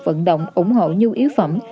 vận động ủng hộ nhu yếu phẩm